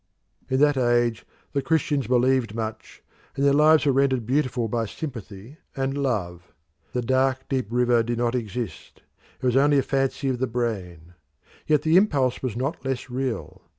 In that age the Christians believed much, and their lives were rendered beautiful by sympathy and love. The dark, deep river did not exist it was only a fancy of the brain: yet the impulse was not less real.